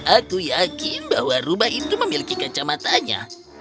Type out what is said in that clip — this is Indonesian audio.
aku yakin bahwa rumah itu memiliki kacamatanya